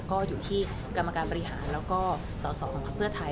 ก็อยู่ที่กรรมการบริหารแล้วก็สอสอของพักเพื่อไทย